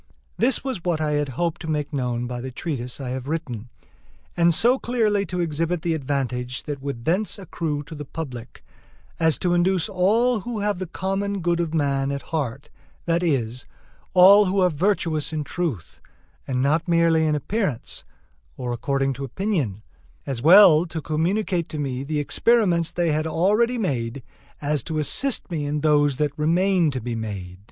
This was what I had hoped to make known by the treatise I had written, and so clearly to exhibit the advantage that would thence accrue to the public, as to induce all who have the common good of man at heart, that is, all who are virtuous in truth, and not merely in appearance, or according to opinion, as well to communicate to me the experiments they had already made, as to assist me in those that remain to be made.